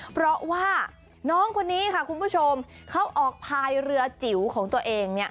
เพราะว่าน้องคนนี้ค่ะคุณผู้ชมเขาออกพายเรือจิ๋วของตัวเองเนี่ย